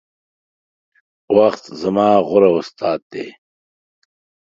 وخت زما غوره استاذ دے